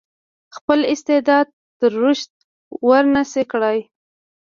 خپل استعداد ته رشد ورنه شي کړای.